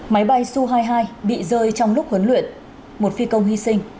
máy bay su hai mươi hai bị rơi trong lúc huấn luyện một phi công hy sinh